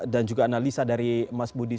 dan juga analisa dari mas budi